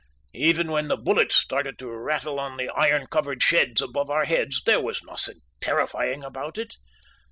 Even when the bullets started in to rattle on the iron covered sheds above our heads there was nothing terrifying about it.